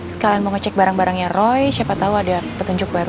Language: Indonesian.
sekalian mau ngecek barang barangnya roy siapa tau ada petunjuk baru